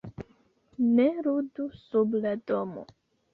Ne ludu sub la domo!